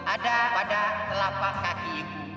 ada pada kelapa kaki